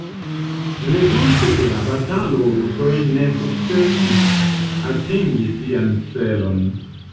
Rezulte de la batalo rusoj ne sukcesis atingi sian celon.